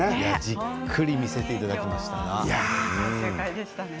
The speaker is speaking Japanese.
じっくり見せていただきました。